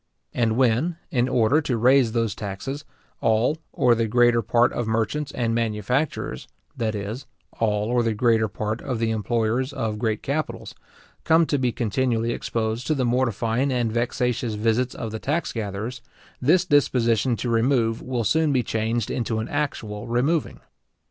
And when, in order to raise those taxes, all or the greater part of merchants and manufacturers, that is, all or the greater part of the employers of great capitals, come to be continually exposed to the mortifying and vexatious visits of the tax gatherers, this disposition to remove will soon be changed into an actual removing.